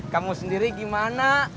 kamu sendiri gimana